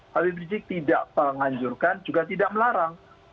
habib rizik tidak menganjurkan juga tidak melarang